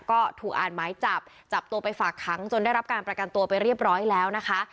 ก็ถูกอ่านหมายจับจับตัวไปฝากขังจนได้รับการประกันตัวไปเรียบร้อยแล้วนะคะ